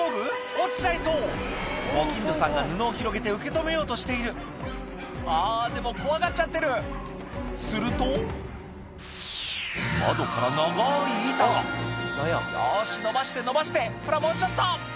落ちちゃいそうご近所さんが布を広げて受け止めようとしているあぁでも怖がっちゃってるすると窓から長い板がよし伸ばして伸ばしてほらもうちょっと！